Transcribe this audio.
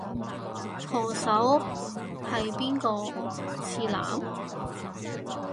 舵手係邊個？次男？